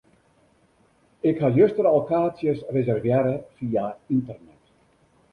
Ik ha juster al kaartsjes reservearre fia ynternet.